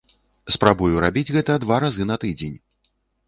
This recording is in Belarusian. Спрабую рабіць гэта два разы на тыдзень.